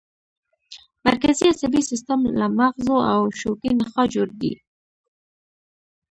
مرکزي عصبي سیستم له مغزو او شوکي نخاع جوړ دی